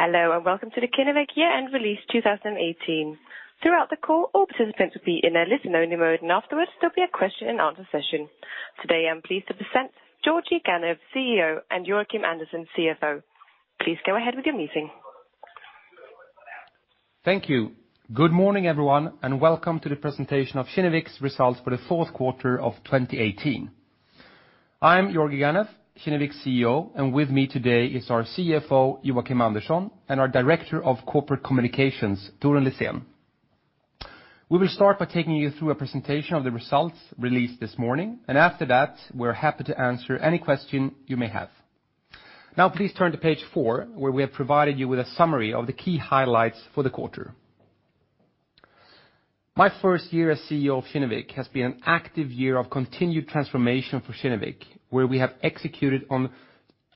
Hello, and welcome to the Kinnevik Year-End Release 2018. Throughout the call, all participants will be in a listen-only mode, and afterwards there'll be a question and answer session. Today, I'm pleased to present Georgi Ganev, CEO, and Joakim Andersson, CFO. Please go ahead with your meeting. Thank you. Good morning, everyone, and welcome to the presentation of Kinnevik's results for the fourth quarter of 2018. I'm Georgi Ganev, Kinnevik's CEO, and with me today is our CFO, Joakim Andersson, and our Director of Corporate Communications, Torun Litzén. We will start by taking you through a presentation of the results released this morning, and after that, we're happy to answer any question you may have. Now please turn to page four, where we have provided you with a summary of the key highlights for the quarter. My first year as CEO of Kinnevik has been an active year of continued transformation for Kinnevik, where we have executed on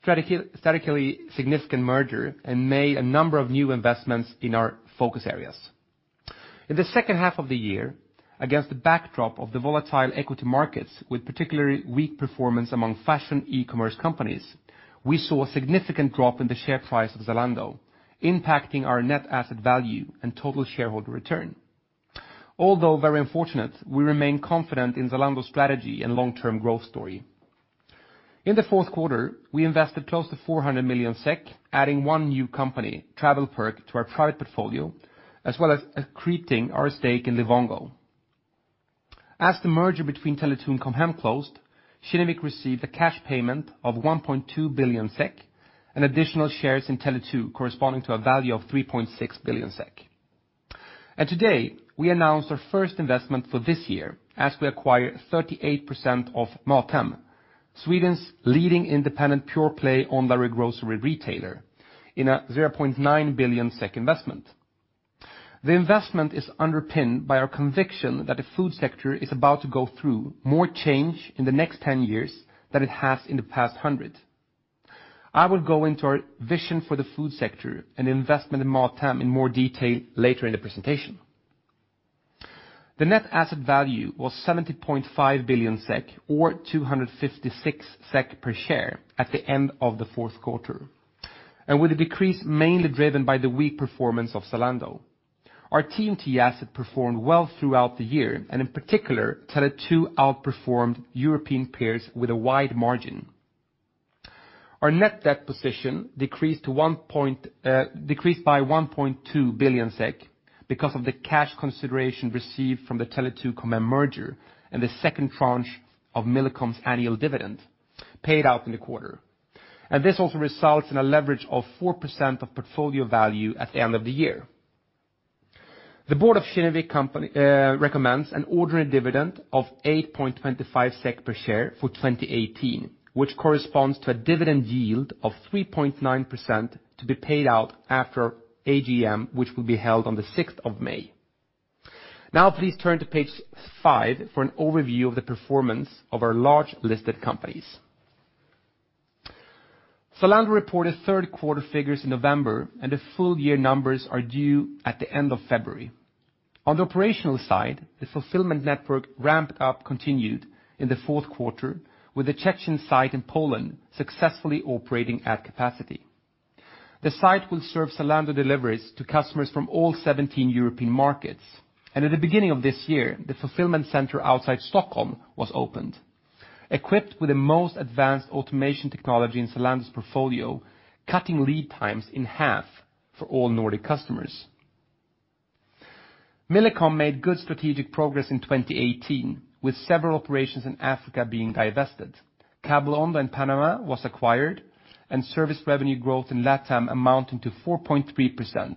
strategically significant merger and made a number of new investments in our focus areas. In the second half of the year, against the backdrop of the volatile equity markets with particularly weak performance among fashion e-commerce companies, we saw a significant drop in the share price of Zalando, impacting our net asset value and total shareholder return. Although very unfortunate, we remain confident in Zalando's strategy and long-term growth story. In the fourth quarter, we invested close to 400 million SEK, adding one new company, TravelPerk, to our private portfolio, as well as accreting our stake in Livongo. As the merger between Tele2 and Com Hem closed, Kinnevik received a cash payment of 1.2 billion SEK and additional shares in Tele2 corresponding to a value of 3.6 billion SEK. Today, we announced our first investment for this year as we acquire 38% of MatHem, Sweden's leading independent pure-play online grocery retailer, in a 0.9 billion SEK investment. The investment is underpinned by our conviction that the food sector is about to go through more change in the next 10 years than it has in the past hundred. I will go into our vision for the food sector and investment in MatHem in more detail later in the presentation. The net asset value was 70.5 billion SEK or 256 SEK per share at the end of the fourth quarter, and with a decrease mainly driven by the weak performance of Zalando. Our TMT asset performed well throughout the year, and in particular, Tele2 outperformed European peers with a wide margin. Our net debt position decreased by 1.2 billion SEK because of the cash consideration received from the Tele2 Com Hem merger and the second tranche of Millicom's annual dividend paid out in the quarter. This also results in a leverage of 4% of portfolio value at the end of the year. The board of Kinnevik recommends an ordinary dividend of 8.25 SEK per share for 2018, which corresponds to a dividend yield of 3.9% to be paid out after AGM, which will be held on the 6th of May. Now please turn to page five for an overview of the performance of our large listed companies. Zalando reported third-quarter figures in November, and the full year numbers are due at the end of February. On the operational side, the fulfillment network ramp-up continued in the fourth quarter with the Szczecin site in Poland successfully operating at capacity. The site will serve Zalando deliveries to customers from all 17 European markets. At the beginning of this year, the fulfillment center outside Stockholm was opened, equipped with the most advanced automation technology in Zalando's portfolio, cutting lead times in half for all Nordic customers. Millicom made good strategic progress in 2018, with several operations in Africa being divested. Cable Onda in Panama was acquired and service revenue growth in LatAm amounting to 4.3%.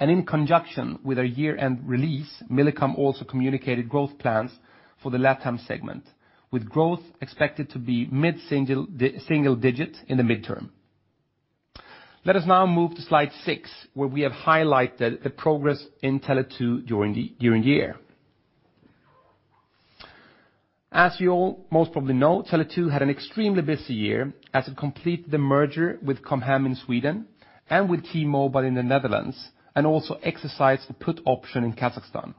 In conjunction with our year-end release, Millicom also communicated growth plans for the LatAm segment, with growth expected to be mid-single digits in the midterm. Let us now move to slide six, where we have highlighted the progress in Tele2 during the year. As you all most probably know, Tele2 had an extremely busy year as it completed the merger with Com Hem in Sweden and with T-Mobile in the Netherlands and also exercised a put option in Kazakhstan.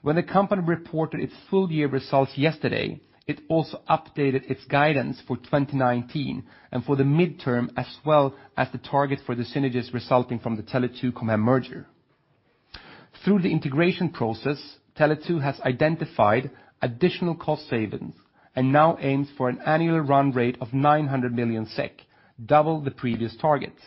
When the company reported its full-year results yesterday, it also updated its guidance for 2019 and for the midterm, as well as the target for the synergies resulting from the Tele2 Com Hem merger. Through the integration process, Tele2 has identified additional cost savings and now aims for an annual run rate of 900 million SEK, double the previous targets.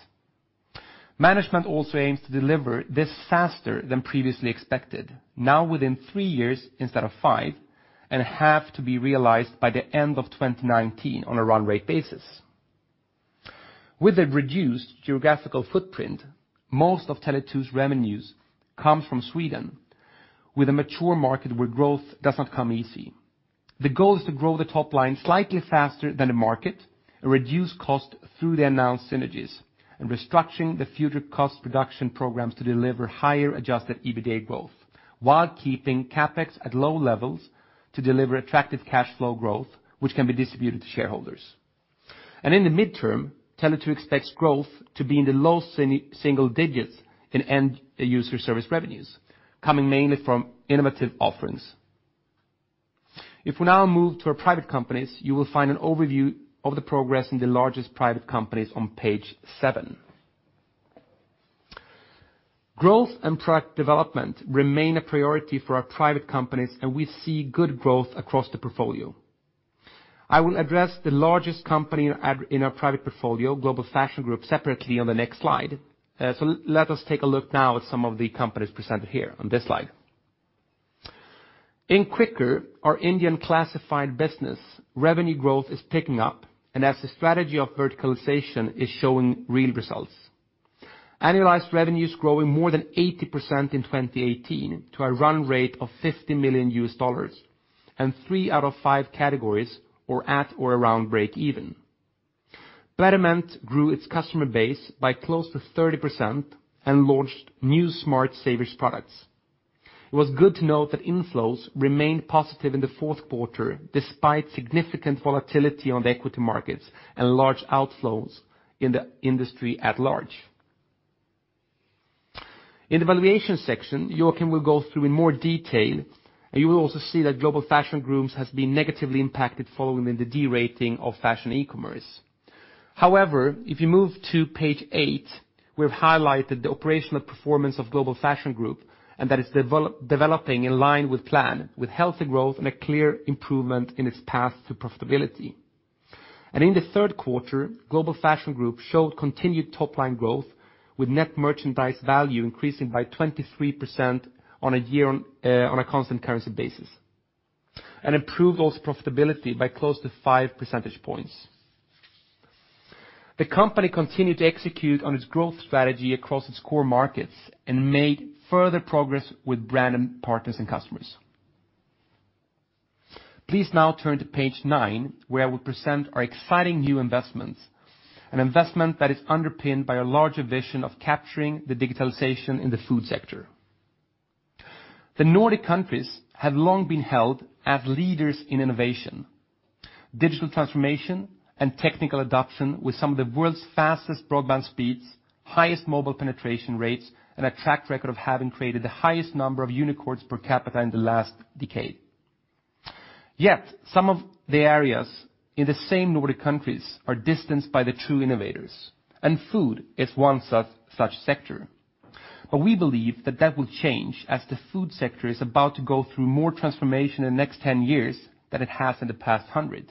Management also aims to deliver this faster than previously expected, now within three years instead of five, and half to be realized by the end of 2019 on a run rate basis. With a reduced geographical footprint, most of Tele2's revenues come from Sweden, with a mature market where growth does not come easy. The goal is to grow the top line slightly faster than the market and reduce cost through the announced synergies and restructuring the future cost reduction programs to deliver higher adjusted EBITDA growth while keeping CapEx at low levels to deliver attractive cash flow growth, which can be distributed to shareholders. In the midterm, Tele2 expects growth to be in the low single digits in end user service revenues, coming mainly from innovative offerings. If we now move to our private companies, you will find an overview of the progress in the largest private companies on page seven. Growth and product development remain a priority for our private companies, and we see good growth across the portfolio. I will address the largest company in our private portfolio, Global Fashion Group, separately on the next slide. Let us take a look now at some of the companies presented here on this slide. In Quikr, our Indian classified business, revenue growth is picking up and as the strategy of verticalization is showing real results. Annualized revenue is growing more than 80% in 2018 to a run rate of $50 million, and three out of five categories are at or around breakeven. Betterment grew its customer base by close to 30% and launched new smart savings products. It was good to note that inflows remained positive in the fourth quarter, despite significant volatility on the equity markets and large outflows in the industry at large. In the valuation section, Joakim will go through in more detail, and you will also see that Global Fashion Group has been negatively impacted following the de-rating of fashion e-commerce. If you move to page eight, we've highlighted the operational performance of Global Fashion Group, and that is developing in line with plan, with healthy growth and a clear improvement in its path to profitability. In the third quarter, Global Fashion Group showed continued top-line growth with net merchandise value increasing by 23% on a constant currency basis, and improved also profitability by close to five percentage points. The company continued to execute on its growth strategy across its core markets and made further progress with brand partners and customers. Please now turn to page nine, where I will present our exciting new investments, an investment that is underpinned by a larger vision of capturing the digitalization in the food sector. The Nordic countries have long been held as leaders in innovation, digital transformation, and technical adoption, with some of the world's fastest broadband speeds, highest mobile penetration rates, and a track record of having created the highest number of unicorns per capita in the last decade. Some of the areas in the same Nordic countries are distanced by the true innovators, and food is one such sector. We believe that that will change as the food sector is about to go through more transformation in the next 10 years than it has in the past 100.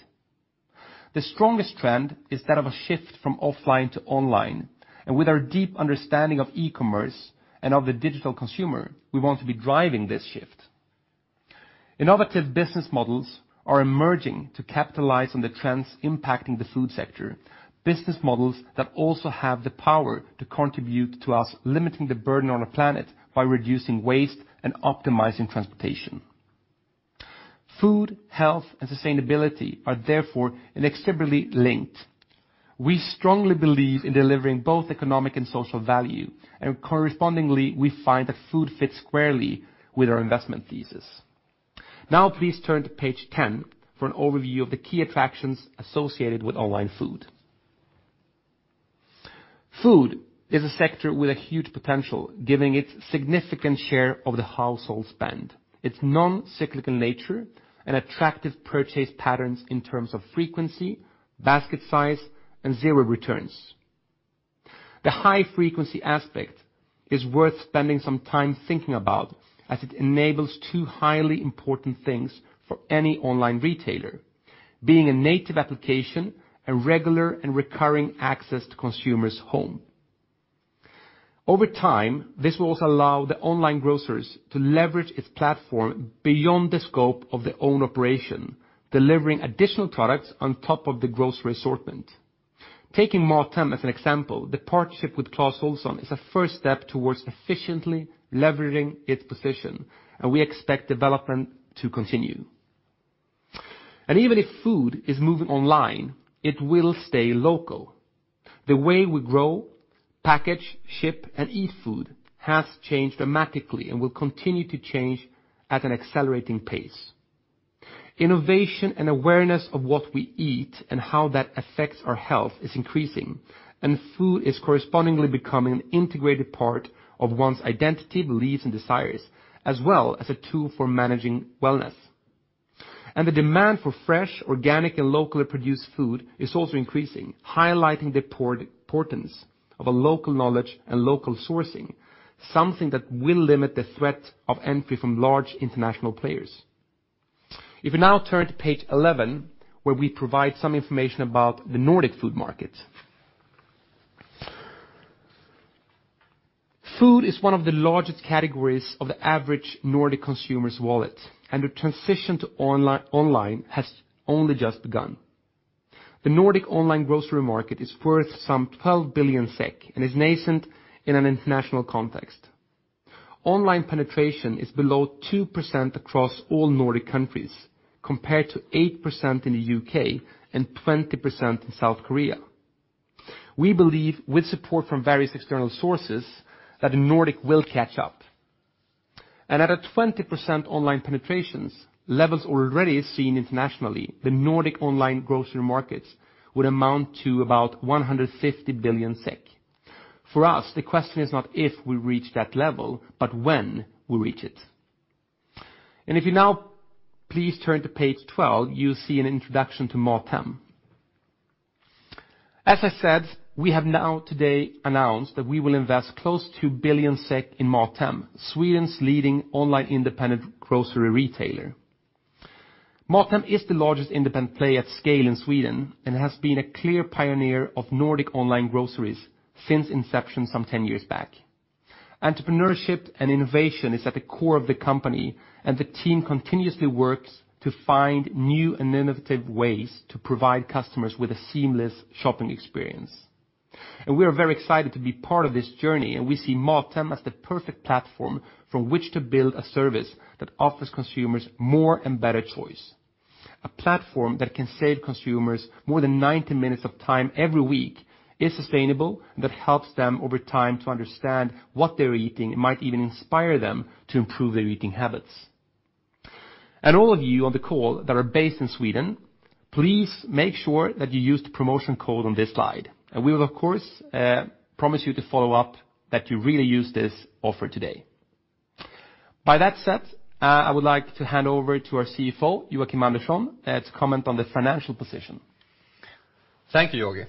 The strongest trend is that of a shift from offline to online, and with our deep understanding of e-commerce and of the digital consumer, we want to be driving this shift. Innovative business models are emerging to capitalize on the trends impacting the food sector, business models that also have the power to contribute to us limiting the burden on our planet by reducing waste and optimizing transportation. Food, health, and sustainability are therefore inextricably linked. We strongly believe in delivering both economic and social value, and correspondingly, we find that food fits squarely with our investment thesis. Please turn to page 10 for an overview of the key attractions associated with online food. Food is a sector with a huge potential, giving its significant share of the household spend, its non-cyclical nature, and attractive purchase patterns in terms of frequency, basket size, and zero returns. The high-frequency aspect is worth spending some time thinking about, as it enables two highly important things for any online retailer, being a native application and regular and recurring access to consumers' home. Over time, this will also allow the online grocers to leverage its platform beyond the scope of their own operation, delivering additional products on top of the grocery assortment. Taking MatHem as an example, the partnership with Clas Ohlson is a first step towards efficiently leveraging its position. We expect development to continue. Even if food is moving online, it will stay local. The way we grow, package, ship, and eat food has changed dramatically and will continue to change at an accelerating pace. Innovation and awareness of what we eat and how that affects our health is increasing, and food is correspondingly becoming an integrated part of one's identity, beliefs, and desires, as well as a tool for managing wellness. The demand for fresh, organic, and locally produced food is also increasing, highlighting the importance of a local knowledge and local sourcing, something that will limit the threat of entry from large international players. If you now turn to page 11, where we provide some information about the Nordic food market. Food is one of the largest categories of the average Nordic consumer's wallet, and the transition to online has only just begun. The Nordic online grocery market is worth some 12 billion SEK and is nascent in an international context. Online penetration is below 2% across all Nordic countries, compared to 8% in the U.K. and 20% in South Korea. We believe, with support from various external sources, that the Nordic will catch up, and at a 20% online penetrations, levels already seen internationally, the Nordic online grocery markets would amount to about 150 billion SEK. For us, the question is not if we reach that level, but when we reach it. If you now please turn to page 12, you'll see an introduction to MatHem. As I said, we have now today announced that we will invest close to billion SEK in MatHem, Sweden's leading online independent grocery retailer. MatHem is the largest independent player at scale in Sweden and has been a clear pioneer of Nordic online groceries since inception some 10 years back. Entrepreneurship and innovation is at the core of the company. The team continuously works to find new and innovative ways to provide customers with a seamless shopping experience. We are very excited to be part of this journey, and we see MatHem as the perfect platform from which to build a service that offers consumers more and better choice. A platform that can save consumers more than 90 minutes of time every week, is sustainable, that helps them over time to understand what they're eating. It might even inspire them to improve their eating habits. All of you on the call that are based in Sweden, please make sure that you use the promotion code on this slide. We will, of course, promise you to follow up that you really use this offer today. By that said, I would like to hand over to our CFO, Joakim Andersson, to comment on the financial position. Thank you, Georgi.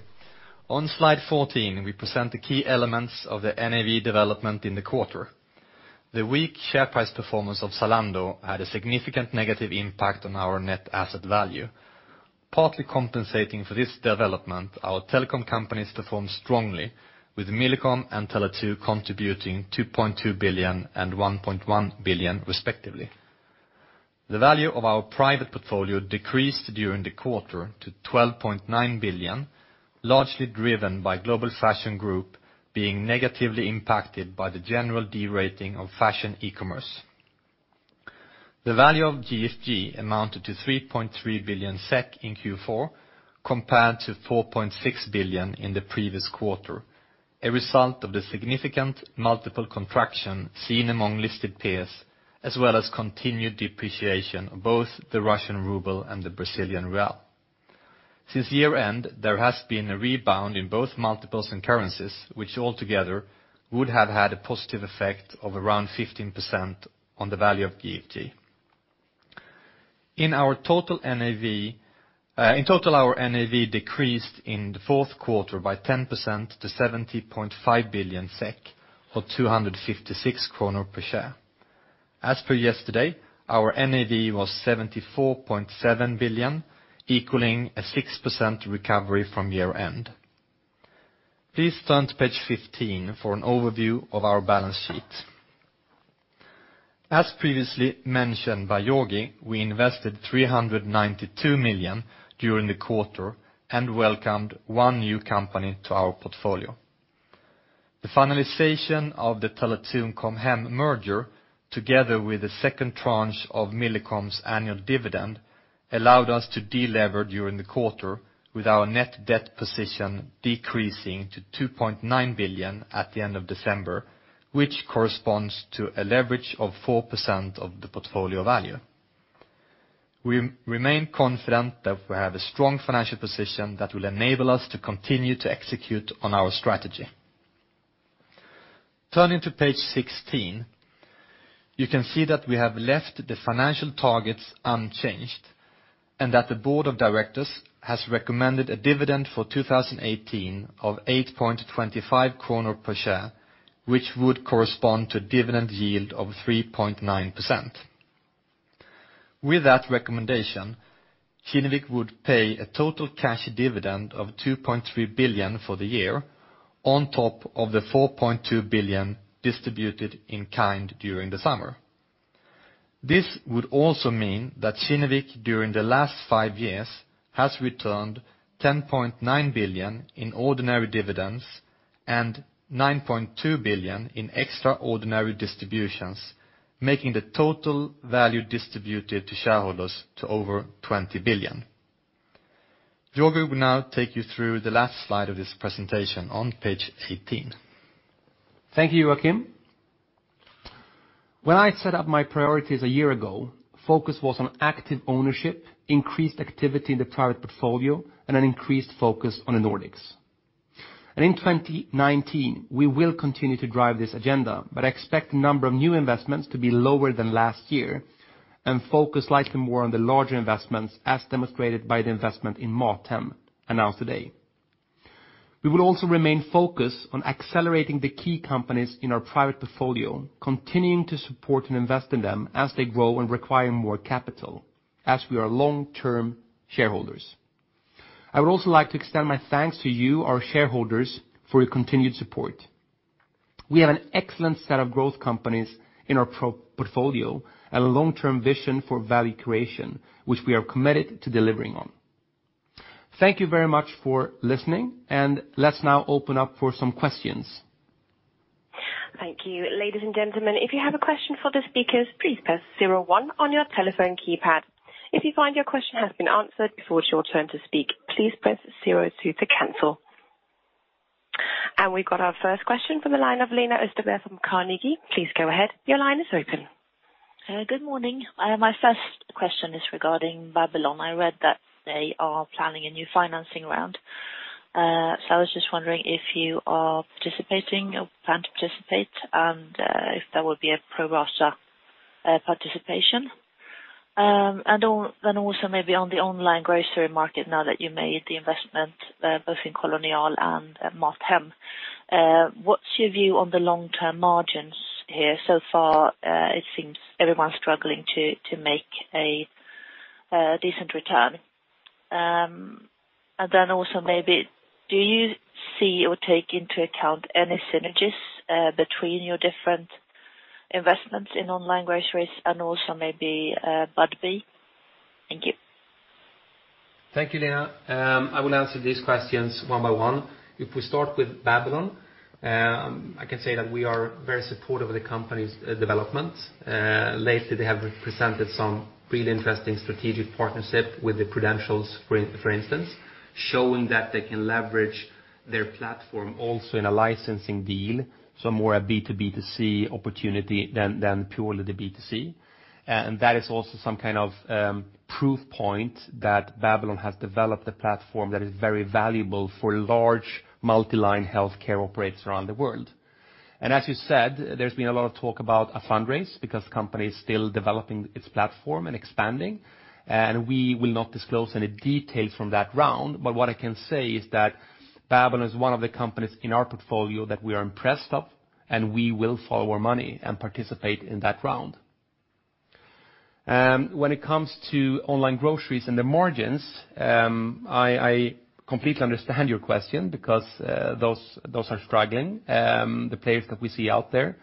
On slide 14, we present the key elements of the NAV development in the quarter. The weak share price performance of Zalando had a significant negative impact on our net asset value. Partly compensating for this development, our telecom companies performed strongly with Millicom and Tele2 contributing 2.2 billion and 1.1 billion respectively. The value of our private portfolio decreased during the quarter to 12.9 billion, largely driven by Global Fashion Group being negatively impacted by the general de-rating of fashion e-commerce. The value of GFG amounted to 3.3 billion SEK in Q4 compared to 4.6 billion in the previous quarter, a result of the significant multiple contraction seen among listed peers, as well as continued depreciation of both the Russian ruble and the Brazilian real. Since year-end, there has been a rebound in both multiples and currencies, which altogether would have had a positive effect of around 15% on the value of GFG. In total, our NAV decreased in the fourth quarter by 10% to 70.5 billion SEK or 256 kronor per share. As per yesterday, our NAV was 74.7 billion, equaling a 6% recovery from year-end. Please turn to page 15 for an overview of our balance sheet. As previously mentioned by Georgi, we invested 392 million during the quarter and welcomed one new company to our portfolio. The finalization of the Tele2-Com Hem merger, together with the second tranche of Millicom's annual dividend, allowed us to de-lever during the quarter with our net debt position decreasing to 2.9 billion at the end of December, which corresponds to a leverage of 4% of the portfolio value. We remain confident that we have a strong financial position that will enable us to continue to execute on our strategy. Turning to page 16, you can see that we have left the financial targets unchanged and that the Board of Directors has recommended a dividend for 2018 of 8.25 kronor per share, which would correspond to dividend yield of 3.9%. With that recommendation, Kinnevik would pay a total cash dividend of 2.3 billion for the year on top of the 4.2 billion distributed in kind during the summer. This would also mean that Kinnevik during the last five years has returned 10.9 billion in ordinary dividends and 9.2 billion in extraordinary distributions, making the total value distributed to shareholders to over 20 billion. Georgi will now take you through the last slide of this presentation on page 18. Thank you, Joakim. When I set up my priorities a year ago, focus was on active ownership, increased activity in the private portfolio, and an increased focus on the Nordics. In 2019, we will continue to drive this agenda, but I expect the number of new investments to be lower than last year and focus slightly more on the larger investments as demonstrated by the investment in MatHem announced today. We will also remain focused on accelerating the key companies in our private portfolio, continuing to support and invest in them as they grow and require more capital as we are long-term shareholders. I would also like to extend my thanks to you, our shareholders, for your continued support. We have an excellent set of growth companies in our portfolio and a long-term vision for value creation, which we are committed to delivering on. Thank you very much for listening, and let's now open up for some questions. Thank you. Ladies and gentlemen, if you have a question for the speakers, please press 01 on your telephone keypad. If you find your question has been answered before it's your turn to speak, please press 02 to cancel. We've got our first question from the line of Lena Österberg from Carnegie. Please go ahead. Your line is open Good morning. My first question is regarding Babylon. I read that they are planning a new financing round. I was just wondering if you are participating or plan to participate and if that will be a pro rata participation. Then also maybe on the online grocery market now that you made the investment both in Kolonial and MatHem. What's your view on the long-term margins here? Far, it seems everyone's struggling to make a decent return. Then also maybe do you see or take into account any synergies between your different investments in online groceries and also maybe Budbee? Thank you. Thank you, Lena. I will answer these questions one by one. If we start with Babylon, I can say that we are very supportive of the company's development. Lately they have presented some really interesting strategic partnership with the credentials, for instance, showing that they can leverage their platform also in a licensing deal. More a B2B2C opportunity than purely the B2C. That is also some kind of proof point that Babylon has developed a platform that is very valuable for large multi-line healthcare operators around the world. As you said, there's been a lot of talk about a fundraise because the company is still developing its platform and expanding, and we will not disclose any details from that round. What I can say is that Babylon is one of the companies in our portfolio that we are impressed of, we will follow our money and participate in that round. When it comes to online groceries and the margins, I completely understand your question because those are struggling, the players that we see out there.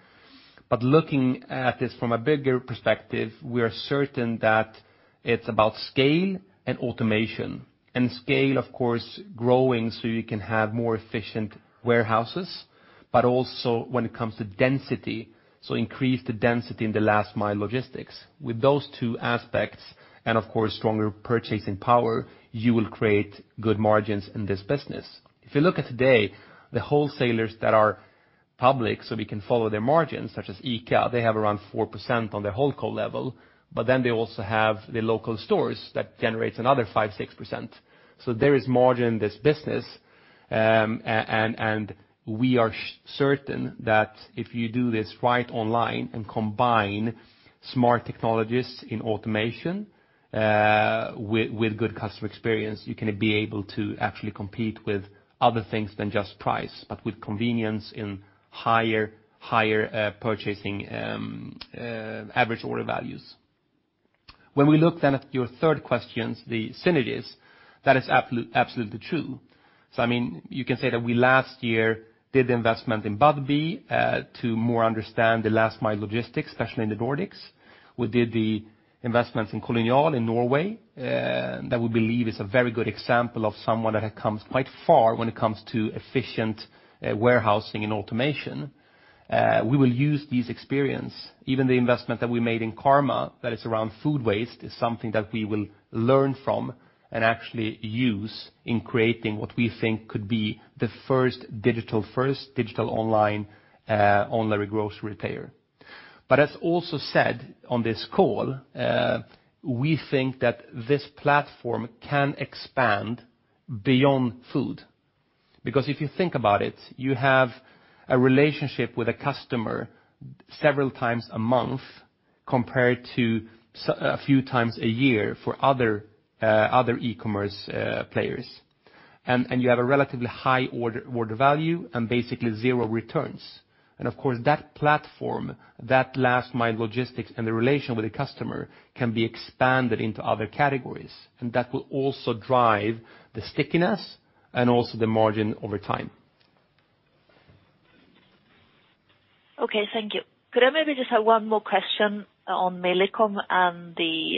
Looking at this from a bigger perspective, we are certain that it's about scale and automation. Scale, of course, growing so you can have more efficient warehouses, but also when it comes to density, so increase the density in the last mile logistics. With those two aspects and of course stronger purchasing power, you will create good margins in this business. If you look at today, the wholesalers that are public, we can follow their margins such as ICA, they have around 4% on the whole co level, but then they also have the local stores that generates another 5%, 6%. There is margin in this business, we are certain that if you do this right online and combine smart technologies in automation with good customer experience, you can be able to actually compete with other things than just price, but with convenience in higher purchasing average order values. When we look then at your third questions, the synergies, that is absolutely true. You can say that we last year did the investment in Budbee to more understand the last mile logistics, especially in the Nordics. We did the investments in Kolonial in Norway, that we believe is a very good example of someone that had come quite far when it comes to efficient warehousing and automation. We will use these experience, even the investment that we made in Karma that is around food waste, is something that we will learn from and actually use in creating what we think could be the first digital online grocery retailer. As also said on this call, we think that this platform can expand beyond food because if you think about it, you have a relationship with a customer several times a month compared to a few times a year for other e-commerce players. You have a relatively high order value and basically zero returns. Of course, that platform, that last mile logistics and the relation with the customer can be expanded into other categories, that will also drive the stickiness and also the margin over time. Okay, thank you. Could I maybe just have one more question on Millicom and the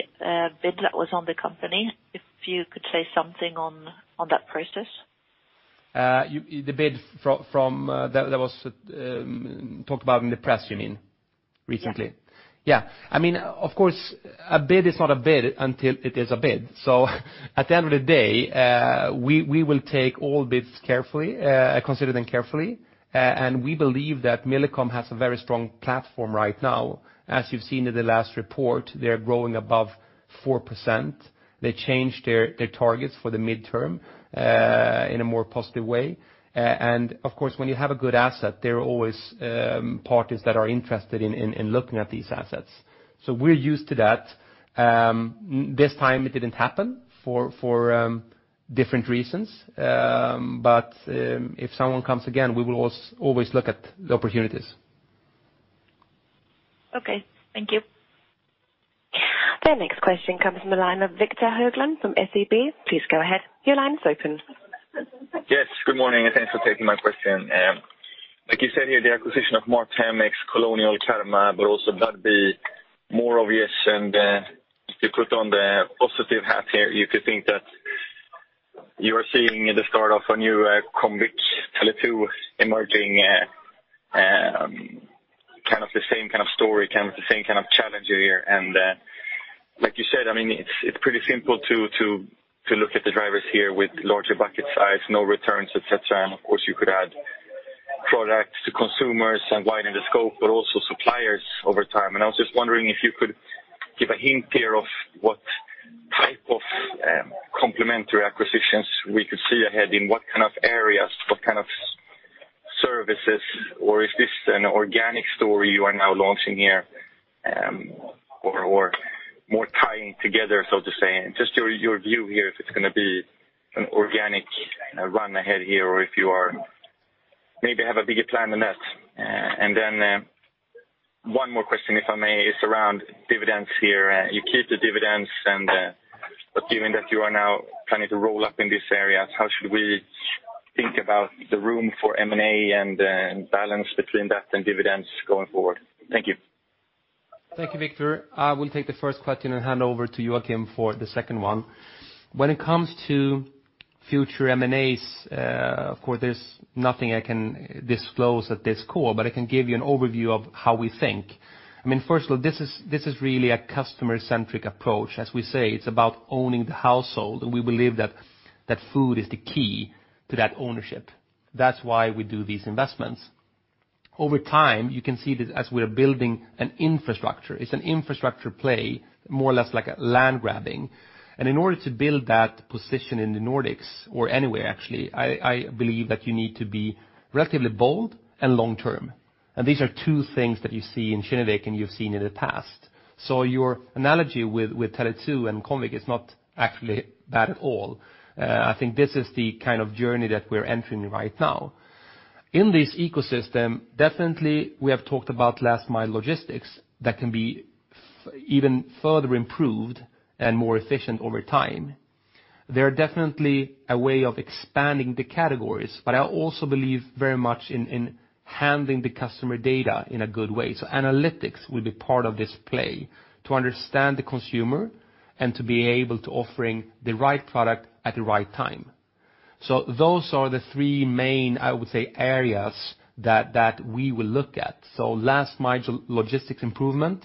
bid that was on the company? If you could say something on that process. The bid that was talked about in the press you mean, recently? Yeah. Yeah. Of course, a bid is not a bid until it is a bid. At the end of the day, we will take all bids carefully, consider them carefully. We believe that Millicom has a very strong platform right now. As you've seen in the last report, they're growing above 4%. They changed their targets for the midterm in a more positive way. Of course, when you have a good asset, there are always parties that are interested in looking at these assets. We're used to that. This time it didn't happen for different reasons. If someone comes again, we will always look at the opportunities. Okay, thank you. The next question comes from the line of Victor Höglund from SEB. Please go ahead. Your line is open. Good morning, and thanks for taking my question. Like you said here, the acquisition of MatHem makes Kolonial, Karma, but also Budbee more obvious. If you put on the positive hat here, you could think that you are seeing the start of a new Comviq, Tele2 emerging, kind of the same kind of story, kind of the same kind of challenger here. Like you said, it's pretty simple to look at the drivers here with larger bucket size, no returns, et cetera. Of course, you could add products to consumers and widen the scope, but also suppliers over time. I was just wondering if you could give a hint here of what type of complementary acquisitions we could see ahead, in what kind of areas, what kind of services, or is this an organic story you are now launching here? More tying together, so to say. Just your view here, if it's going to be an organic run ahead here or if you maybe have a bigger plan than that. Then one more question, if I may, is around dividends here. You keep the dividends, but given that you are now planning to roll up in these areas, how should we think about the room for M&A and balance between that and dividends going forward? Thank you. Thank you, Victor. I will take the first question and hand over to Joakim for the second one. When it comes to future M&As, of course, there's nothing I can disclose at this call, but I can give you an overview of how we think. First of all, this is really a customer-centric approach. As we say, it's about owning the household, and we believe that food is the key to that ownership. That's why we do these investments. Over time, you can see this as we're building an infrastructure. It's an infrastructure play, more or less like land grabbing. In order to build that position in the Nordics or anywhere, actually, I believe that you need to be relatively bold and long-term. These are two things that you see in Kinnevik and you've seen in the past. Your analogy with Tele2 and Comviq is not actually bad at all. I think this is the kind of journey that we're entering right now. In this ecosystem, definitely we have talked about last-mile logistics that can be even further improved and more efficient over time. There are definitely a way of expanding the categories, but I also believe very much in handling the customer data in a good way. Analytics will be part of this play to understand the consumer and to be able to offering the right product at the right time. Those are the three main, I would say, areas that we will look at. Last-mile logistics improvement,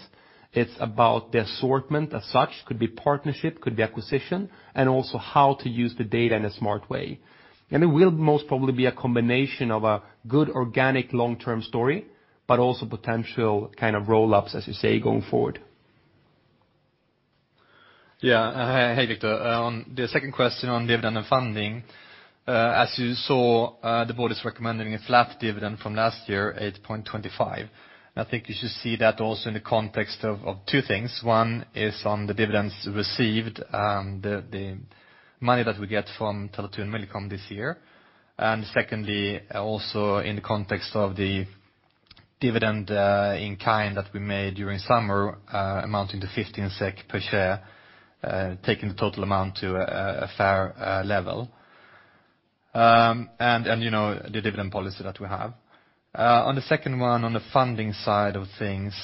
it's about the assortment as such, could be partnership, could be acquisition, and also how to use the data in a smart way. It will most probably be a combination of a good organic long-term story, but also potential kind of roll-ups, as you say, going forward. Hey, Victor. On the second question on dividend and funding, as you saw, the board is recommending a flat dividend from last year, 8.25. I think you should see that also in the context of two things. One is on the dividends received, the money that we get from Tele2 and Millicom this year. Secondly, also in the context of the dividend in kind that we made during summer, amounting to 15 SEK per share, taking the total amount to a fair level. The dividend policy that we have. On the second one, on the funding side of things,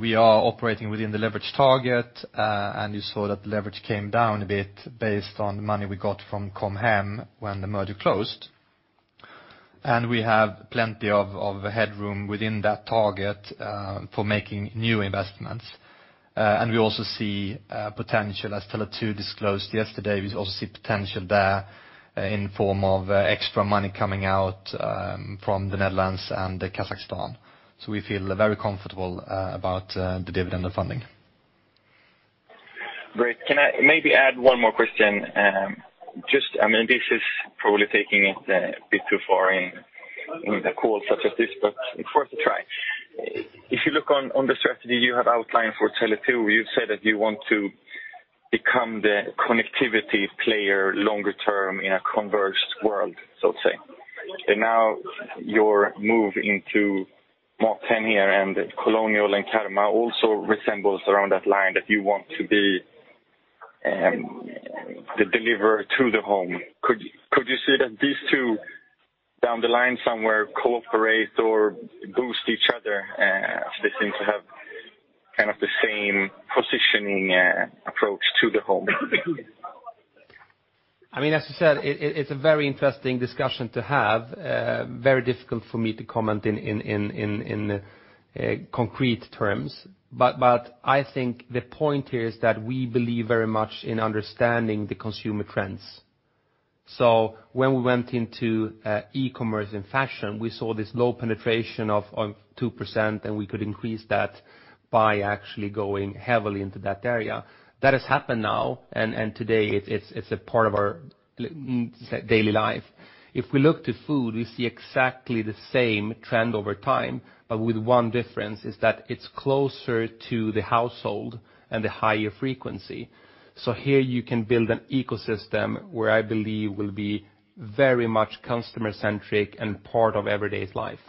we are operating within the leverage target, and you saw that the leverage came down a bit based on the money we got from Com Hem when the merger closed. We have plenty of headroom within that target for making new investments. We also see potential, as Tele2 disclosed yesterday, we also see potential there in form of extra money coming out from the Netherlands and Kazakhstan. We feel very comfortable about the dividend and funding. Great. Can I maybe add one more question? This is probably taking it a bit too far in a call such as this, but it's worth a try. If you look on the strategy you have outlined for Tele2, you've said that you want to become the connectivity player longer term in a converged world, so to say. Now your move into MatHem here and Kolonial and Karma also resembles around that line that you want to be the deliverer to the home. Could you see that these two down the line somewhere cooperate or boost each other? They seem to have kind of the same positioning approach to the home. As I said, it's a very interesting discussion to have. Very difficult for me to comment in concrete terms. I think the point here is that we believe very much in understanding the consumer trends. When we went into e-commerce and fashion, we saw this low penetration of 2%, and we could increase that by actually going heavily into that area. That has happened now, and today it's a part of our daily life. If we look to food, we see exactly the same trend over time, but with one difference is that it's closer to the household and the higher frequency. Here you can build an ecosystem where I believe will be very much customer-centric and part of everyday's life.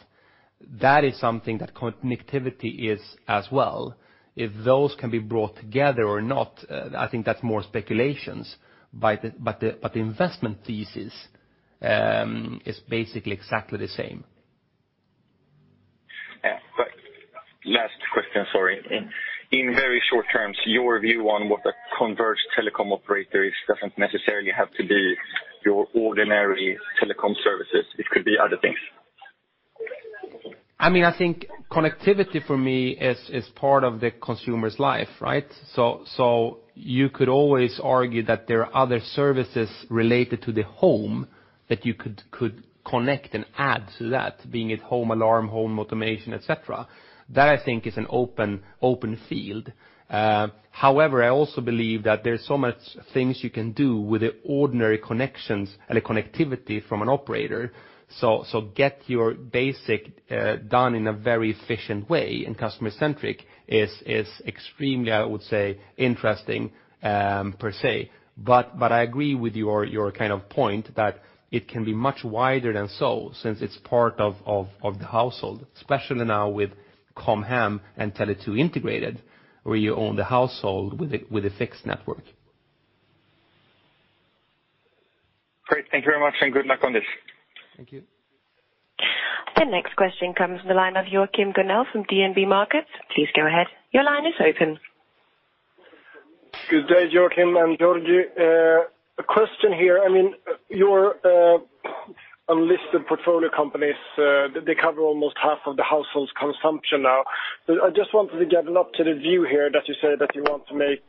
That is something that connectivity is as well. If those can be brought together or not, I think that's more speculations. The investment thesis is basically exactly the same. Yeah. Last question, sorry. In very short terms, your view on what a converged telecom operator is doesn't necessarily have to be your ordinary telecom services. It could be other things. I think connectivity for me is part of the consumer's life, right? You could always argue that there are other services related to the home that you could connect and add to that, being it home alarm, home automation, et cetera. That I think is an open field. However, I also believe that there's so much things you can do with the ordinary connections and the connectivity from an operator. Get your basic done in a very efficient way, and customer-centric is extremely, I would say, interesting per se. But I agree with your point that it can be much wider than so since it's part of the household, especially now with Com Hem and Tele2 integrated, where you own the household with a fixed network. Great. Thank you very much and good luck on this. Thank you. The next question comes from the line of Joachim Gunell from DNB Markets. Please go ahead. Your line is open. Good day, Joakim and Georgi. A question here. Your unlisted portfolio companies, they cover almost half of the household's consumption now. I just wanted to get an up to the view here that you say that you want to make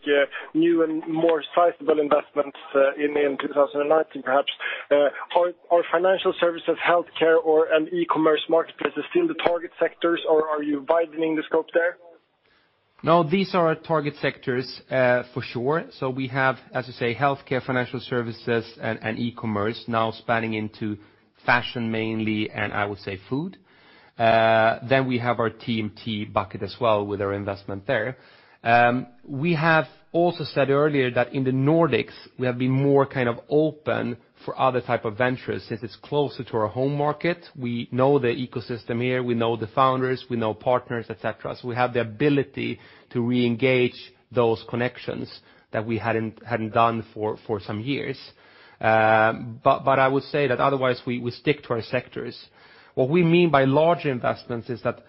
new and more sizable investments in 2019 perhaps. Are financial services, healthcare or/and e-commerce marketplaces still the target sectors, or are you widening the scope there? These are our target sectors for sure. We have, as you say, healthcare, financial services, and e-commerce now spanning into fashion mainly and I would say food. We have our TMT bucket as well with our investment there. We have also said earlier that in the Nordics, we have been more open for other type of ventures since it's closer to our home market. We know the ecosystem here, we know the founders, we know partners, et cetera. We have the ability to reengage those connections that we hadn't done for some years. I would say that otherwise we stick to our sectors. What we mean by large investments is that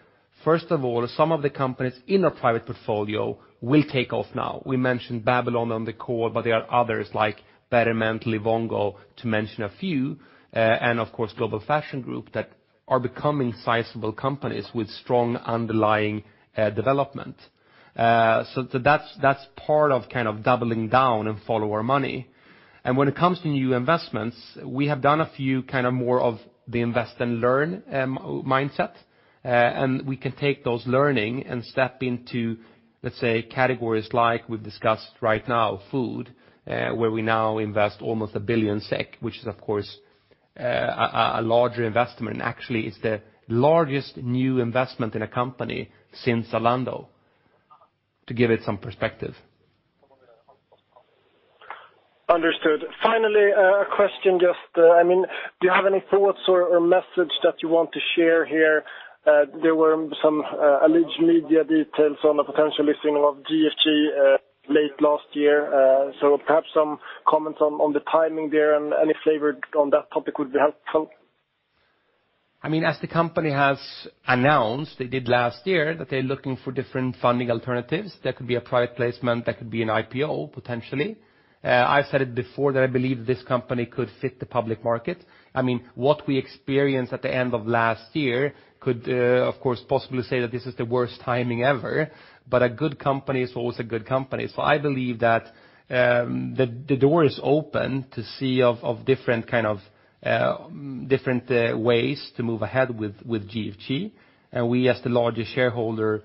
first of all, some of the companies in our private portfolio will take off now. We mentioned Babylon on the call, there are others like Betterment, Livongo, to mention a few, and of course Global Fashion Group that are becoming sizable companies with strong underlying development. That's part of doubling down and follow our money. When it comes to new investments, we have done a few more of the invest and learn mindset. We can take those learning and step into, let's say, categories like we've discussed right now, food, where we now invest almost 1 billion SEK, which is of course a larger investment, and actually is the largest new investment in a company since Zalando, to give it some perspective. Understood. Finally, a question. Do you have any thoughts or message that you want to share here? There were some alleged media details on the potential listing of GFG late last year. Perhaps some comments on the timing there and any flavor on that topic would be helpful. As the company has announced, they did last year, that they're looking for different funding alternatives. That could be a private placement, that could be an IPO, potentially. I've said it before that I believe this company could fit the public market. What we experienced at the end of last year could, of course, possibly say that this is the worst timing ever, but a good company is always a good company. I believe that the door is open to see of different ways to move ahead with GFG. We, as the largest shareholder,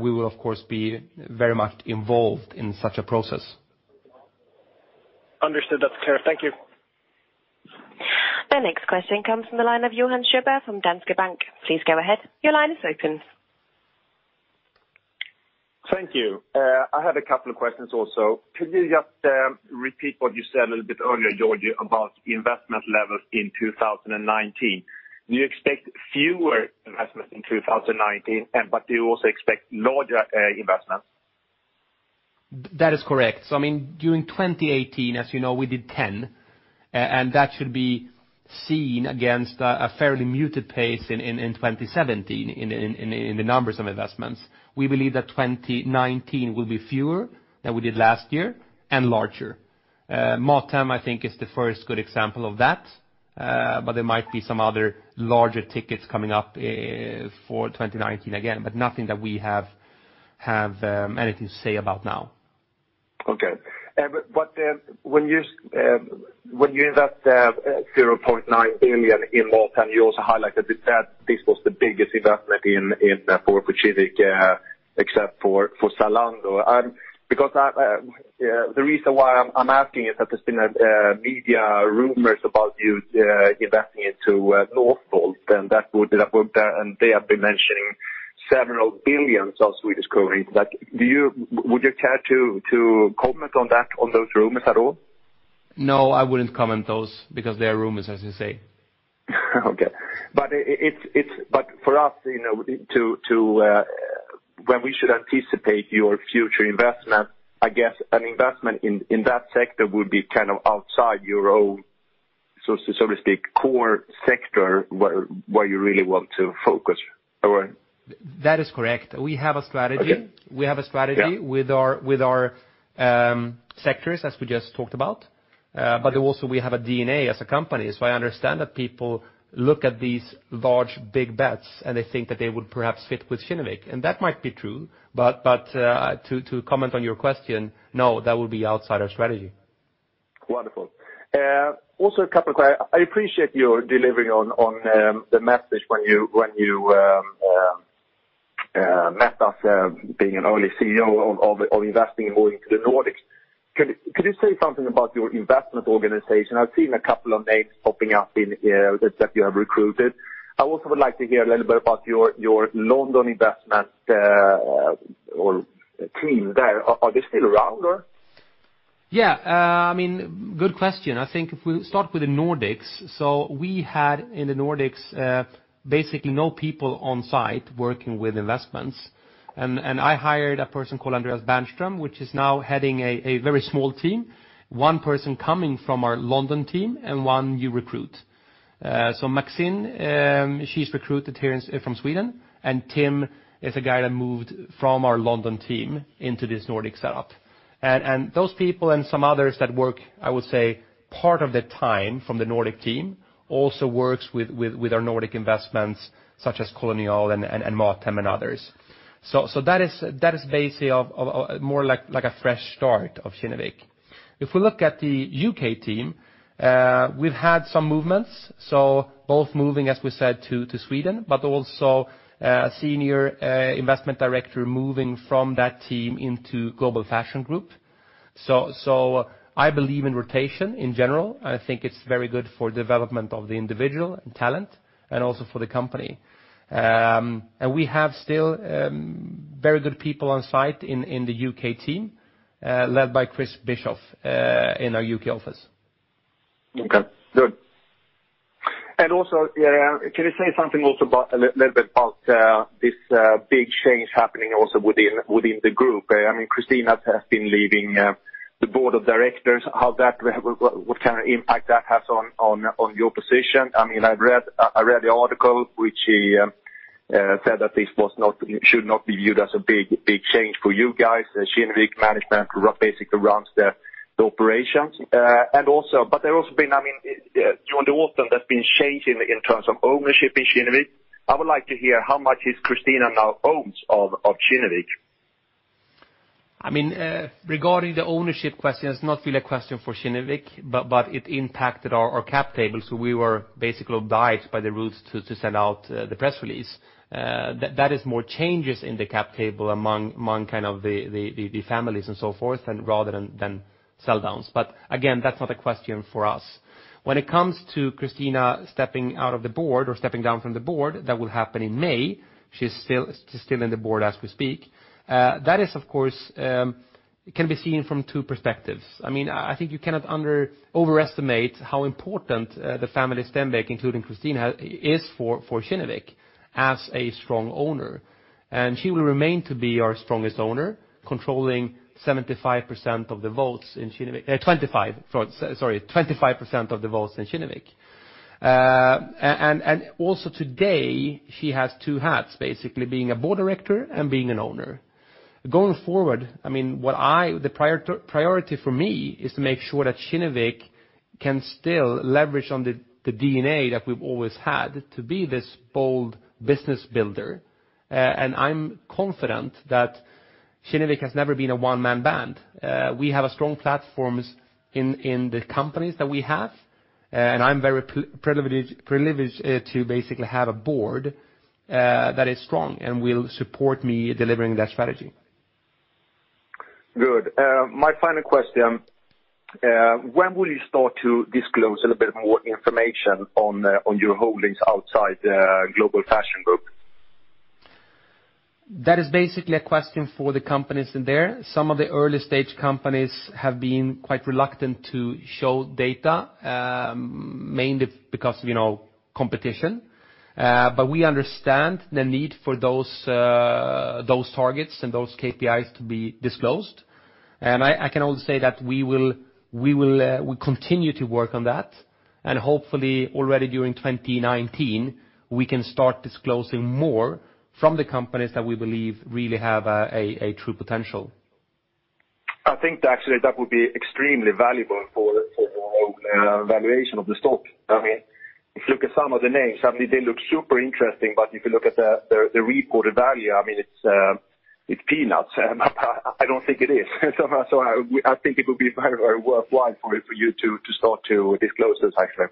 we will of course, be very much involved in such a process. Understood. That's clear. Thank you. The next question comes from the line of Johan Sjöberg from Danske Bank. Please go ahead. Your line is open. Thank you. I have a couple of questions also. Could you just repeat what you said a little bit earlier, Georgi, about the investment level in 2019? Do you expect fewer investments in 2019, but do you also expect larger investments? That is correct. During 2018, as you know, we did 10, and that should be seen against a fairly muted pace in 2017 in the numbers of investments. We believe that 2019 will be fewer than we did last year, and larger. MatHem, I think is the first good example of that. There might be some other larger tickets coming up for 2019 again, but nothing that we have anything to say about now. Okay. When you invest 0.9 billion in MatHem, you also highlighted that this was the biggest investment for Kinnevik except for Zalando. The reason why I am asking is that there's been media rumors about you investing into Northvolt, and they have been mentioning several billions of Swedish kronor. Would you care to comment on those rumors at all? No, I wouldn't comment those because they are rumors, as you say. Okay. For us, when we should anticipate your future investment, I guess an investment in that sector would be outside your own, so to speak, core sector where you really want to focus. That is correct. We have a strategy- Okay we have a strategy- Yeah Also we have a DNA as a company, I understand that people look at these large, big bets and they think that they would perhaps fit with Kinnevik, and that might be true. To comment on your question, no, that will be outside our strategy. Wonderful. Also I appreciate your delivery on the message when you met us, being an early CEO of investing in moving to the Nordics. Could you say something about your investment organization? I've seen a couple of names popping up in there that you have recruited. I also would like to hear a little bit about your London investment or team there. Are they still around, or? Good question. I think if we start with the Nordics, we had in the Nordics, basically no people on site working with investments, and I hired a person called Andreas Bernström, which is now heading a very small team. One person coming from our London team and one new recruit. Maxine, she's recruited here from Sweden, and Tim is a guy that moved from our London team into this Nordic setup. Those people and some others that work, I would say, part of the time from the Nordic team, also work with our Nordic investments such as Kolonial and MatHem and others. That is basically more like a fresh start of Kinnevik. If we look at the U.K. team, we've had some movements, both moving, as we said, to Sweden, but also a senior investment director moving from that team into Global Fashion Group. I believe in rotation in general. I think it's very good for development of the individual and talent and also for the company. We have still very good people on site in the U.K. team, led by Chris Bischoff, in our U.K. office. Good. Can you say something also about, a little bit about this big change happening also within the group? Cristina has been leaving the board of directors, what kind of impact that has on your position. I read the article, which said that this should not be viewed as a big change for you guys. Kinnevik management basically runs the operations. There has also been, during the autumn, there's been change in terms of ownership in Kinnevik. I would like to hear how much does Cristina now own of Kinnevik. Regarding the ownership question, it's not really a question for Kinnevik, but it impacted our cap table, we were basically obliged by the rules to send out the press release. That is more changes in the cap table among the families and so forth, rather than sell downs. Again, that's not a question for us. When it comes to Cristina stepping out of the board or stepping down from the board, that will happen in May. She's still in the board as we speak. That is, of course, can be seen from two perspectives. I think you cannot overestimate how important the family Stenbeck, including Cristina, is for Kinnevik as a strong owner, and she will remain to be our strongest owner, controlling 75% of the votes in Kinnevik. 25%, sorry, 25% of the votes in Kinnevik. Also today, she has two hats, basically being a board director and being an owner. Going forward, the priority for me is to make sure that Kinnevik can still leverage on the DNA that we've always had to be this bold business builder. I'm confident that Kinnevik has never been a one-man band. We have strong platforms in the companies that we have, and I'm very privileged to basically have a board that is strong and will support me delivering that strategy. Good. My final question, when will you start to disclose a little bit more information on your holdings outside Global Fashion Group? That is basically a question for the companies in there. Some of the early-stage companies have been quite reluctant to show data, mainly because of competition. We understand the need for those targets and those KPIs to be disclosed. I can also say that we continue to work on that, and hopefully already during 2019, we can start disclosing more from the companies that we believe really have a true potential. I think that actually that would be extremely valuable for the whole valuation of the stock. If you look at some of the names, absolutely they look super interesting, but if you look at the reported value, it's peanuts. I don't think it is. I think it would be very worthwhile for you to start to disclose those, actually.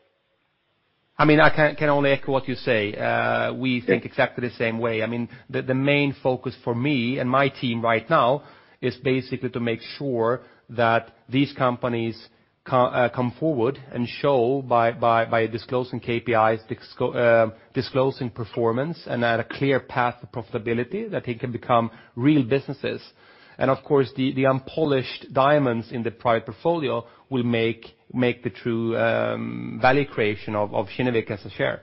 I can only echo what you say. We think exactly the same way. The main focus for me and my team right now is basically to make sure that these companies come forward and show by disclosing KPIs, disclosing performance, and at a clear path to profitability, that they can become real businesses. Of course, the unpolished diamonds in the private portfolio will make the true value creation of Kinnevik as a share.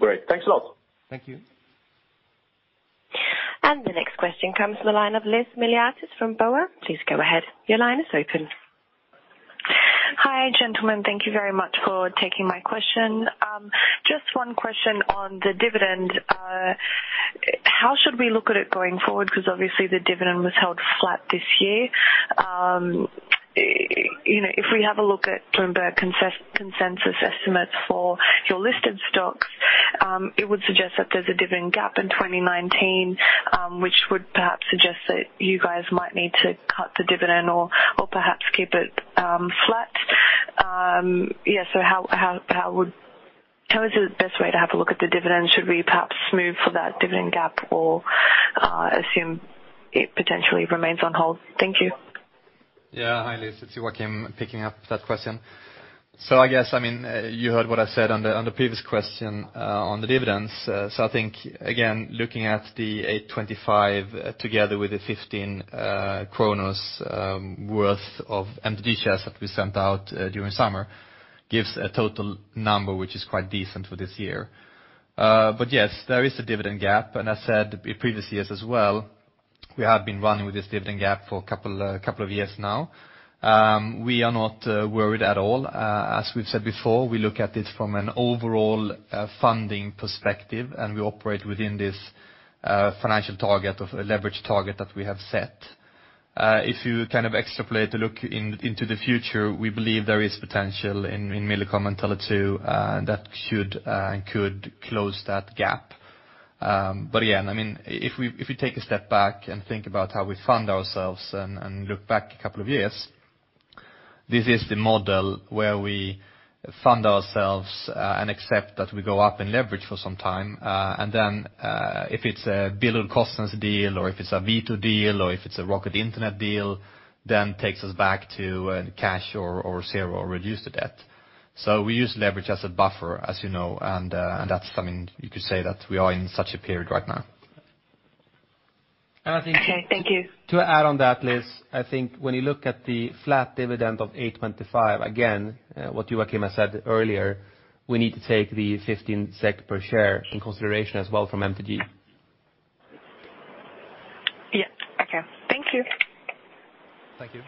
Great. Thanks a lot. Thank you. The next question comes from the line of Liz Miliatis from BofA. Please go ahead. Your line is open. Hi, gentlemen. Thank you very much for taking my question. Just one question on the dividend. How should we look at it going forward? Obviously the dividend was held flat this year. If we have a look at Bloomberg consensus estimates for your listed stocks, it would suggest that there's a dividend gap in 2019, which would perhaps suggest that you guys might need to cut the dividend or perhaps keep it flat. How is the best way to have a look at the dividend? Should we perhaps move for that dividend gap or assume it potentially remains on hold? Thank you. Hi, Liz. It's Joakim picking up that question. I guess you heard what I said on the previous question on the dividends. I think, again, looking at the 8.25 together with the 15 worth of MTG shares that we sent out during summer gives a total number which is quite decent for this year. Yes, there is a dividend gap. I said in previous years as well, we have been running with this dividend gap for a couple of years now. We are not worried at all. As we've said before, we look at this from an overall funding perspective, and we operate within this financial target of a leverage target that we have set. If you kind of extrapolate a look into the future, we believe there is potential in Millicom and Tele2 that should and could close that gap. Again, if we take a step back and think about how we fund ourselves and look back a couple of years, this is the model where we fund ourselves and accept that we go up in leverage for some time. If it's a BillerudKorsnäs deal, or if it's a V2 deal, or if it's a Rocket Internet deal, then takes us back to cash or zero or reduce the debt. We use leverage as a buffer, as you know, and that's something you could say that we are in such a period right now. Okay. Thank you. To add on that, Liz, I think when you look at the flat dividend of 8.25, again, what Joakim has said earlier, we need to take the 15 SEK per share in consideration as well from MTG. Yeah. Okay. Thank you. Thank you.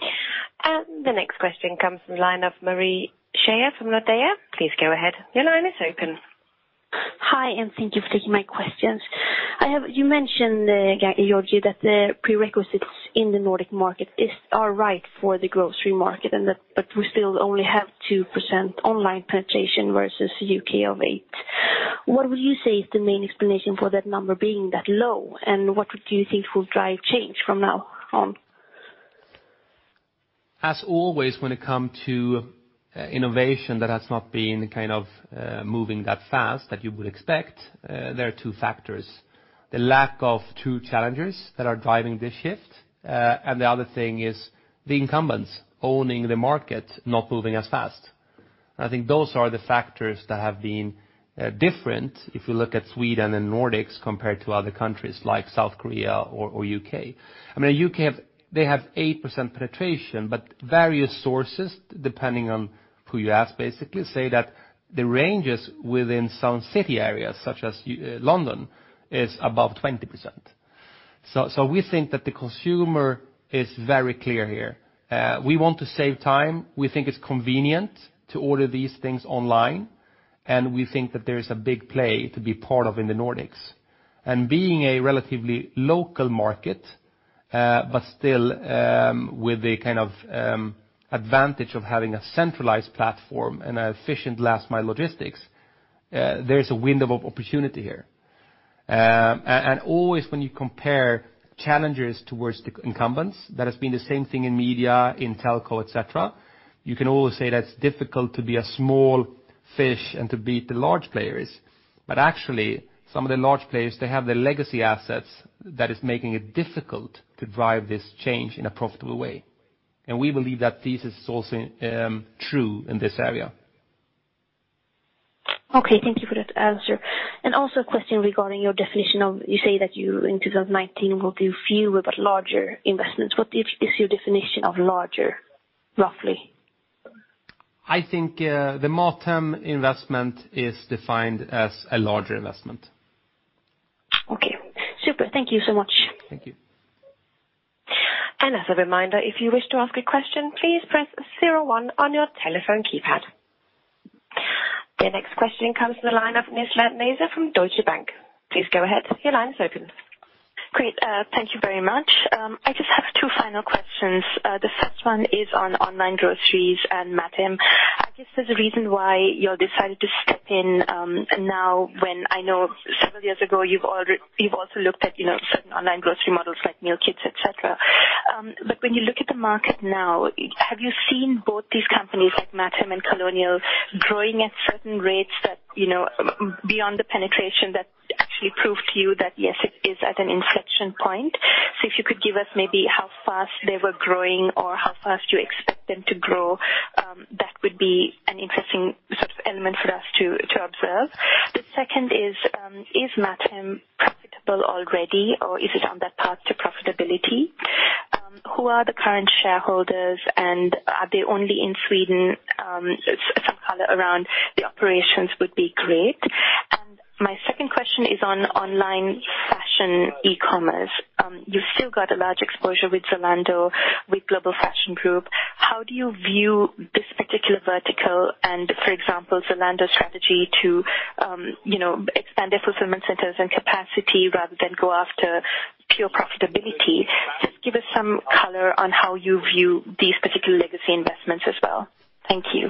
The next question comes from the line of Marie from Nordea. Please go ahead. Your line is open. Hi, thank you for taking my questions. You mentioned, Georgi, that the prerequisites in the Nordic market are right for the grocery market, but we still only have 2% online penetration versus U.K. of 8%. What would you say is the main explanation for that number being that low, and what would you think will drive change from now on? As always, when it come to innovation that has not been kind of moving that fast that you would expect, there are two factors. The lack of two challengers that are driving this shift, and the other thing is the incumbents owning the market not moving as fast. I think those are the factors that have been different if you look at Sweden and Nordics compared to other countries like South Korea or U.K. U.K., they have 8% penetration, but various sources, depending on who you ask, basically say that the ranges within some city areas, such as London, is above 20%. We think that the consumer is very clear here. We want to save time. We think it's convenient to order these things online, and we think that there is a big play to be part of in the Nordics. Being a relatively local market, but still with the advantage of having a centralized platform and efficient last mile logistics, there's a window of opportunity here. Always when you compare challengers towards the incumbents, that has been the same thing in media, in telco, et cetera. You can always say that it's difficult to be a small fish and to beat the large players. Actually, some of the large players, they have the legacy assets that is making it difficult to drive this change in a profitable way. We believe that this is also true in this area. Okay, thank you for that answer. Also a question regarding your definition of, you say that you in 2019 will do fewer but larger investments. What is your definition of larger, roughly? I think the MatHem investment is defined as a larger investment. Okay, super. Thank you so much. Thank you. As a reminder, if you wish to ask a question, please press 01 on your telephone keypad. The next question comes from the line of Nizla Naizer from Deutsche Bank. Please go ahead. Your line is open. Great. Thank you very much. I just have two final questions. The first one is on online groceries and MatHem. I guess there's a reason why you decided to step in now when I know several years ago you've also looked at certain online grocery models like meal kits, et cetera. When you look at the market now, have you seen both these companies like MatHem and Kolonial growing at certain rates that beyond the penetration that actually prove to you that yes, it is at an inflection point? If you could give us maybe how fast they were growing or how fast you expect them to grow, that would be an interesting sort of element for us to observe. The second is MatHem profitable already, or is it on that path to profitability? Who are the current shareholders, and are they only in Sweden? Some color around the operations would be great. Question is on online fashion e-commerce. You still got a large exposure with Zalando, with Global Fashion Group. How do you view this particular vertical and, for example, Zalando's strategy to expand their fulfillment centers and capacity rather than go after pure profitability? Just give us some color on how you view these particular legacy investments as well. Thank you.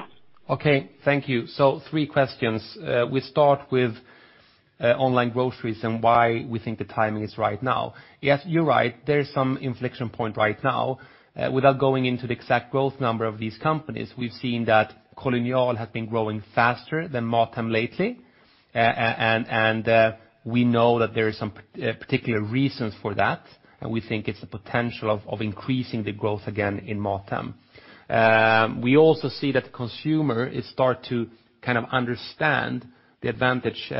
Okay. Thank you. Three questions. We start with online groceries and why we think the timing is right now. Yes, you're right, there is some inflection point right now. Without going into the exact growth number of these companies, we've seen that Kolonial has been growing faster than MatHem lately, and we know that there is some particular reasons for that, and we think it's the potential of increasing the growth again in MatHem. We also see that the consumer is start to kind of understand the advantage,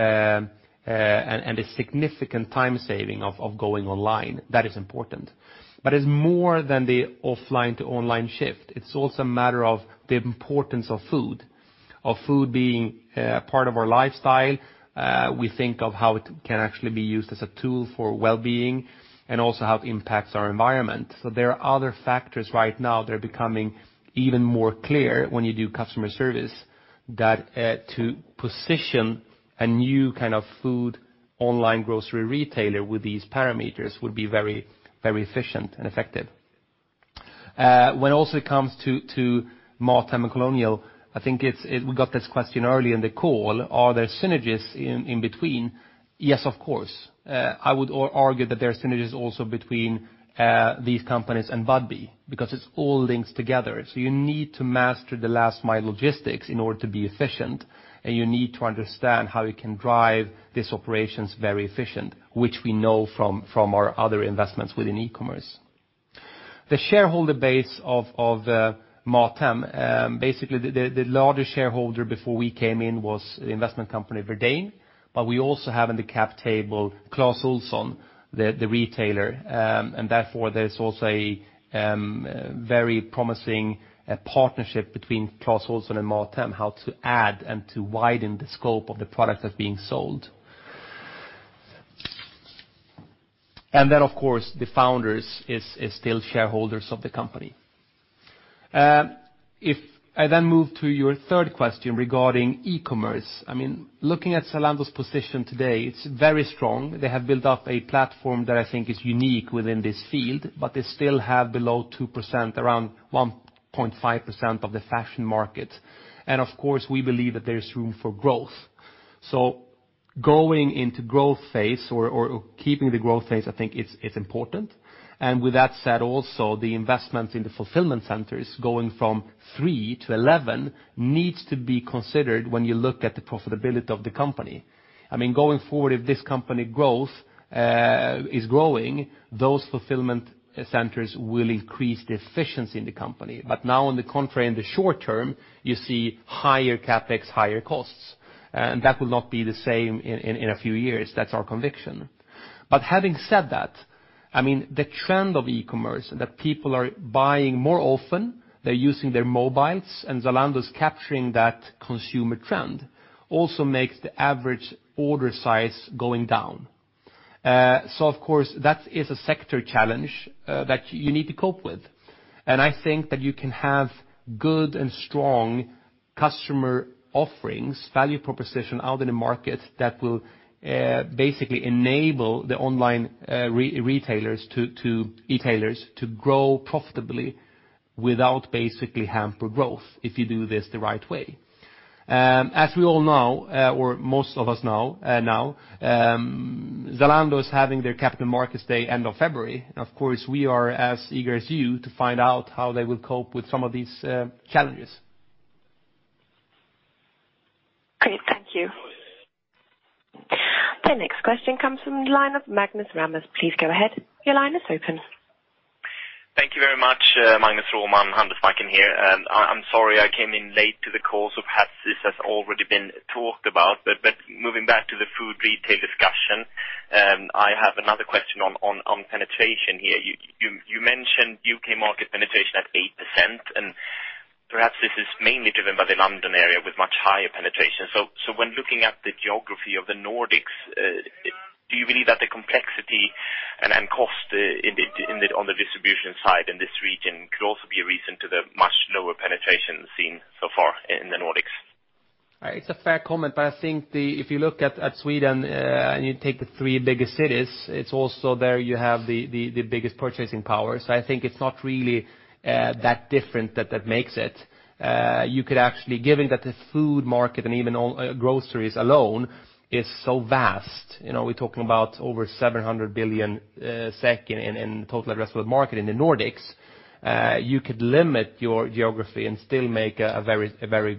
and the significant time saving of going online. That is important. It's more than the offline to online shift. It's also a matter of the importance of food, of food being part of our lifestyle, we think of how it can actually be used as a tool for wellbeing and also how it impacts our environment. There are other factors right now that are becoming even more clear when you do customer service, that to position a new kind of food online grocery retailer with these parameters would be very efficient and effective. When also it comes to MatHem and Kolonial, I think I got this question earlier in the call. Are there synergies in between? Yes, of course. I would argue that there are synergies also between these companies and Budbee, because it all links together. You need to master the last mile logistics in order to be efficient, and you need to understand how you can drive these operations very efficient, which we know from our other investments within e-commerce. The shareholder base of MatHem, basically the largest shareholder before we came in was the investment company Verdane, but we also have in the cap table, Clas Ohlson, the retailer. Therefore, there's also a very promising partnership between Clas Ohlson and Mathem, how to add and to widen the scope of the product that's being sold. Then, of course, the founders is still shareholders of the company. If I then move to your third question regarding e-commerce, looking at Zalando's position today, it's very strong. They have built up a platform that I think is unique within this field, but they still have below 2%, around 1.5% of the fashion market. Of course, we believe that there is room for growth. Going into growth phase or keeping the growth phase, I think is important. With that said, also, the investments in the fulfillment centers going from three to 11 needs to be considered when you look at the profitability of the company. Going forward, if this company is growing, those fulfillment centers will increase the efficiency in the company. Now on the contrary, in the short term, you see higher CapEx, higher costs. That will not be the same in a few years. That's our conviction. Having said that, the trend of e-commerce that people are buying more often, they're using their mobiles, and Zalando's capturing that consumer trend also makes the average order size going down. Of course, that is a sector challenge that you need to cope with. I think that you can have good and strong customer offerings, value proposition out in the market that will basically enable the online retailers, e-tailers to grow profitably without basically hamper growth if you do this the right way. As we all know, or most of us know now, Zalando is having their capital markets day end of February. Of course, we are as eager as you to find out how they will cope with some of these challenges. Great. Thank you. The next question comes from the line of Magnus Råman. Please go ahead. Your line is open. Thank you very much, Magnus Råman, Handelsbanken here. I'm sorry I came in late to the call. Perhaps this has already been talked about, moving back to the food retail discussion, I have another question on penetration here. You mentioned U.K. market penetration at 8%, and perhaps this is mainly driven by the London area with much higher penetration. When looking at the geography of the Nordics, do you believe that the complexity and cost on the distribution side in this region could also be a reason to the much lower penetration seen so far in the Nordics? It's a fair comment. I think if you look at Sweden and you take the three biggest cities, it's also there you have the biggest purchasing power. I think it's not really that different that that makes it. You could actually, given that the food market and even groceries alone is so vast, we're talking about over 700 billion SEK in total addressable market in the Nordics, you could limit your geography and still make a very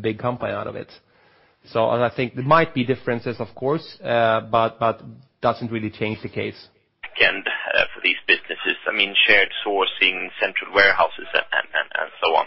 big company out of it. I think there might be differences, of course, doesn't really change the case. For these businesses, shared sourcing, central warehouses and so on.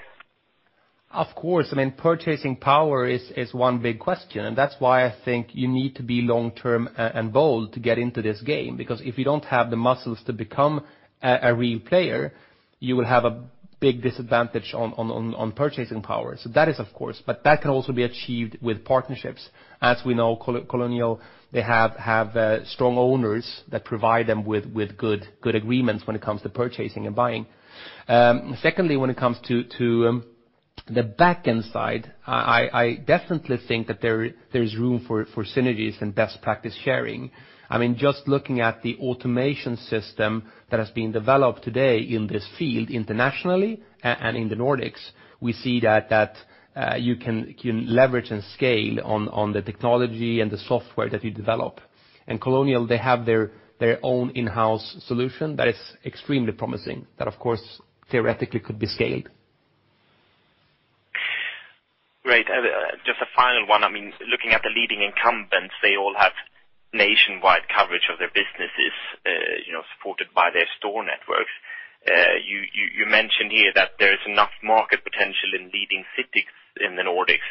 Of course, purchasing power is one big question. That's why I think you need to be long-term and bold to get into this game, because if you don't have the muscles to become a real player, you will have a big disadvantage on purchasing power. That is of course, that can also be achieved with partnerships. As we know, Kolonial, they have strong owners that provide them with good agreements when it comes to purchasing and buying. Secondly, when it comes to the back-end side, I definitely think that there's room for synergies and best practice sharing. Just looking at the automation system that has been developed today in this field internationally and in the Nordics, we see that you can leverage and scale on the technology and the software that you develop. Kolonial, they have their own in-house solution that is extremely promising, that of course, theoretically could be scaled. Great. Just a final one. Looking at the leading incumbents, they all have nationwide coverage of their businesses, supported by their store networks. You mentioned here that there is enough market potential in leading cities in the Nordics.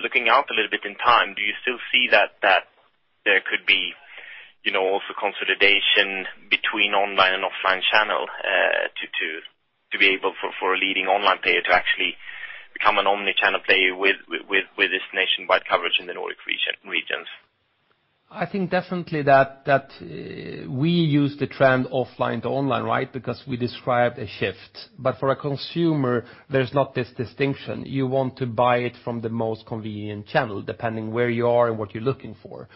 Looking out a little bit in time, do you still see that there could be also consolidation between online and offline channel, to be able for a leading online player to actually become an omni-channel player with this nationwide coverage in the Nordic regions? I think definitely that we use the trend offline to online because we describe a shift. For a consumer, there's not this distinction. You want to buy it from the most convenient channel, depending where you are and what you're looking for.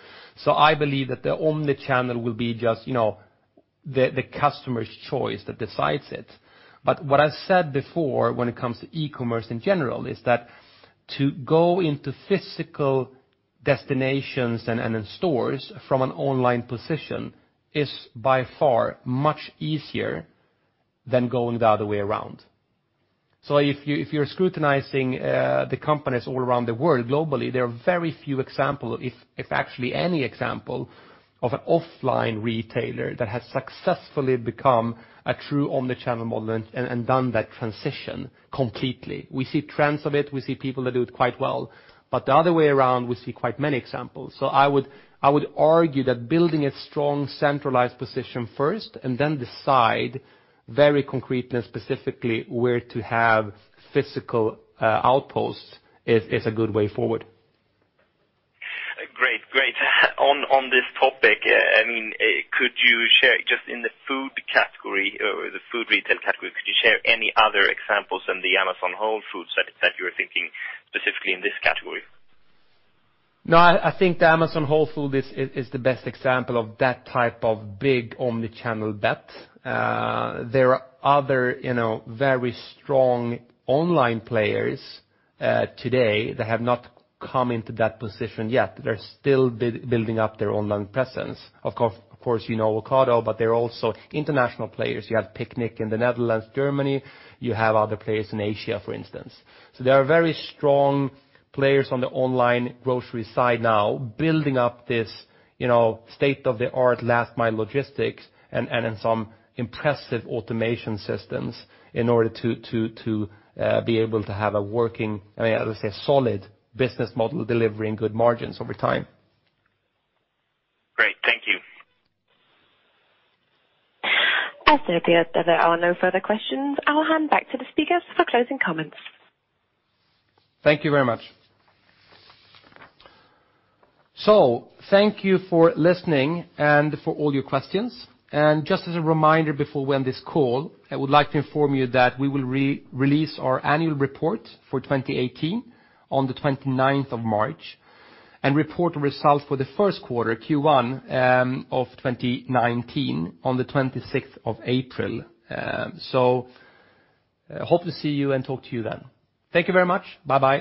I believe that the omni-channel will be just the customer's choice that decides it. What I've said before when it comes to e-commerce in general is that to go into physical destinations and in stores from an online position is by far much easier than going the other way around. If you're scrutinizing the companies all around the world globally, there are very few example, if actually any example, of an offline retailer that has successfully become a true omni-channel model and done that transition completely. We see trends of it. We see people that do it quite well. The other way around, we see quite many examples. I would argue that building a strong centralized position first and then decide very concretely and specifically where to have physical outposts is a good way forward. Great. On this topic, could you share just in the food category or the food retail category, could you share any other examples than the Amazon Whole Foods that you're thinking specifically in this category? I think the Amazon Whole Foods is the best example of that type of big omni-channel bet. There are other very strong online players today that have not come into that position yet. They're still building up their online presence. Of course, you know Ocado, but there are also international players. You have Picnic in the Netherlands, Germany, you have other players in Asia, for instance. There are very strong players on the online grocery side now building up this state-of-the-art last mile logistics and in some impressive automation systems in order to be able to have a working, I would say, a solid business model delivering good margins over time. Great. Thank you. As there are no further questions, I'll hand back to the speakers for closing comments. Thank you very much. Thank you for listening and for all your questions. Just as a reminder before we end this call, I would like to inform you that we will release our annual report for 2018 on the 29th of March, and report results for the first quarter, Q1, of 2019 on the 26th of April. Hope to see you and talk to you then. Thank you very much. Bye-bye.